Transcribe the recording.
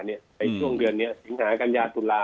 ในช่วงเวอร์นี้สี่งหากัรยาศตุระ